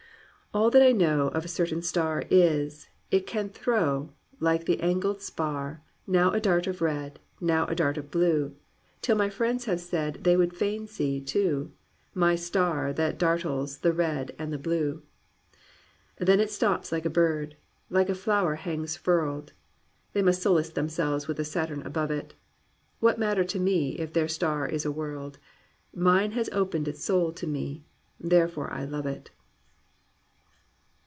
"All that I know Of a certain star Is, it can throw (Like the angled spar) Now a dart of red. Now a dart of blue; Till my friends have said They would fain see, too. My star that dartles the red and the blue ! Then it stops like a bird; like a flower hangs furled; They must solace themselves with the Saturn above it. What matter to me if their star is a world? Mine has opened its soul to me, therefore I love it."